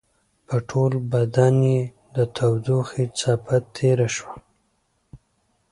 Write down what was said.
په ټول بدن يې د تودوخې څپه تېره شوه.